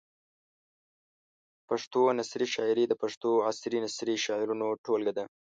پښتو نثري شاعري د پښتو عصري نثري شعرونو ټولګه ده.